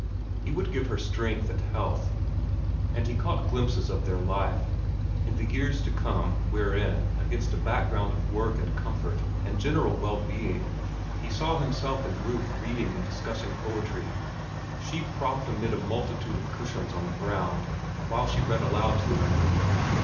He would give her strength and health. And he caught glimpses of their life, in the years to come, wherein, against a background of work and comfort and general well being, he saw himself and Ruth reading and discussing poetry, she propped amid a multitude of cushions on the ground while she read aloud to him.